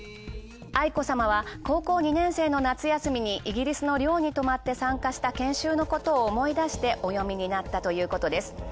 愛子さまは、高校２年生の夏休みにイギリスの寮に泊まって参加した研修のことを思い出して、お詠みになったということです。